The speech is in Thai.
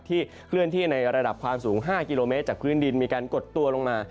เคลื่อนที่ในระดับความสูง๕กิโลเมตรจากพื้นดินมีการกดตัวลงมา